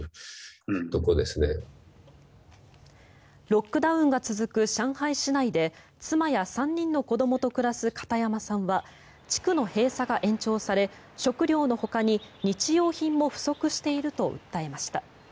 ロックダウンが続く上海市内で妻や３人の子どもと暮らす片山さんは地区の閉鎖が延長され食料のほかに日用品も不足していると訴えました。